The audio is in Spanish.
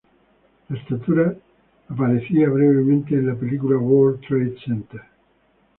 La estatua aparecía brevemente en la película World Trade Center.